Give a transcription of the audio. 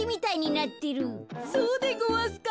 そうでごわすか？